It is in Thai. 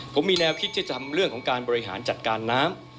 ผมมีแนวคิดจะทำเรื่องของการบริหารจัดการน้ำ